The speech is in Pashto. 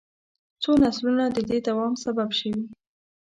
څو نسلونه د دې دوام سبب شوي.